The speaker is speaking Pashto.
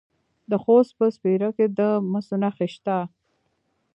د خوست په سپیره کې د مسو نښې شته.